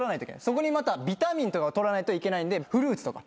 そこにまたビタミンとか取らないといけないんでフルーツとか。